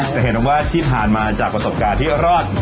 จะเห็นว่าที่ผ่านมาจากประสบการณ์ที่รอด